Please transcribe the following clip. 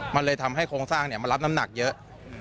มันเลยทำให้โครงสร้างมันรับน้ำหนักเยอะ